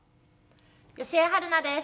吉江晴菜です。